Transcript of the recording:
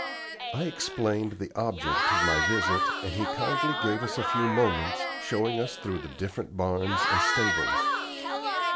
I explained the object of my visit, and he kindly gave us a few moments, showing us through the different barns and stables.